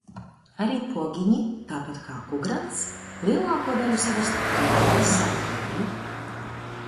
Arī Pogiņi, tāpat kā Kugrens, lielāko daļu no savas turības zaudēja.